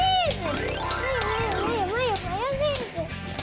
マヨマヨマヨマヨマヨネーズ！